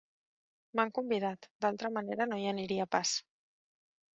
M'han convidat: d'altra manera, no hi aniria pas.